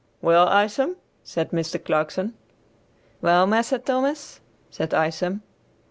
"Well, Isom," said Mr. Clarkson. "Well, Massa Thomas," said Isom.